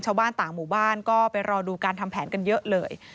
ชาวบ้านต่างหมู่บ้านก็ไปรอดูการทำแผนกันเยอะเลย